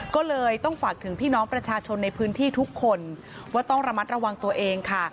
ก็เลยต้องฝากถึงพี่น้องประชาชนในพื้นที่ทุกคนว่าต้องระมัดระวังตัวเองค่ะ